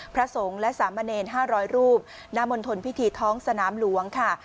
พระสงฆ์และสามเณร๕๐๐รูปณมณฑลพิธีท้องสนามหลวงค่ะ